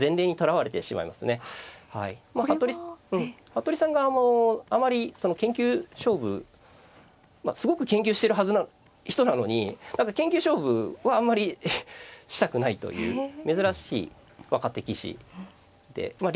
服部さん側もあまりその研究勝負まあすごく研究してる人なのに何か研究勝負はあんまりしたくないという珍しい若手棋士でまあ